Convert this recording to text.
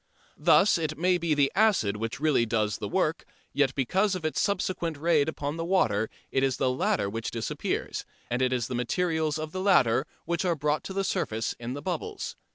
Thus it may be the acid which really does the work, yet because of its subsequent raid upon the water it is the latter which disappears, and it is the materials of the latter which are bought to the surface in the bubbles.